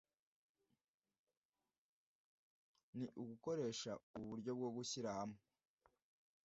Ni ugukoresha ubu buryo bwo gushyirahamwe